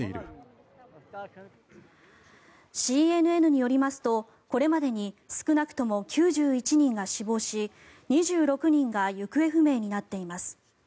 ＣＮＮによりますとこれまでに少なくとも９１人が死亡し２６人が行方不明になっています。